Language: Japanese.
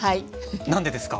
何でですか？